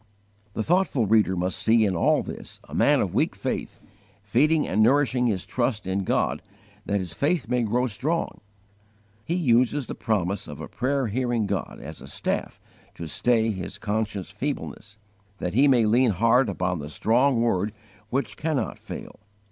The thoughtful reader must see in all this a man of weak faith, feeding and nourishing his trust in God that his faith may grow strong. He uses the promise of a prayer hearing God as a staff to stay his conscious feebleness, that he may lean hard upon the strong Word which cannot fail.